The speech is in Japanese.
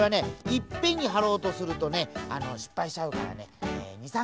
いっぺんにはろうとするとねしっぱいしちゃうからね２３